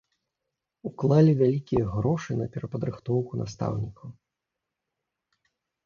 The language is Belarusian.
Уклалі вялікія грошы на перападрыхтоўку настаўнікаў.